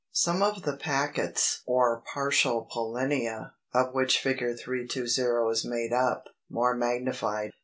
Some of the packets or partial pollinia, of which Fig. 320 is made up, more magnified.